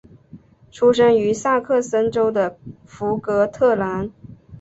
出生于萨克森州的福格特兰。